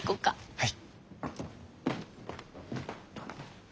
はい。